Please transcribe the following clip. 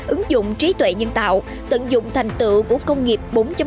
ứng dụng trí tuệ nhân tạo tận dụng thành tựu của công nghiệp bốn